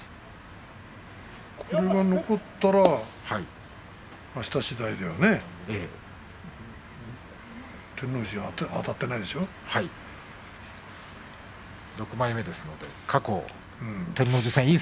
これが残ったらあしたしだいではね照ノ富士、あたっていないはい、